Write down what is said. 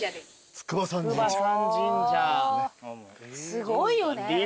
すごいよね。